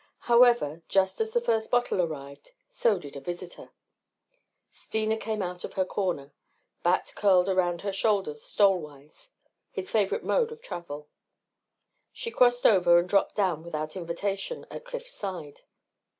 However, just as the first bottle arrived, so did a visitor. Steena came out of her corner, Bat curled around her shoulders stole wise, his favorite mode of travel. She crossed over and dropped down without invitation at Cliff's side.